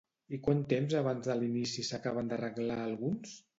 I quant temps abans de l'inici s'acaben d'arreglar alguns?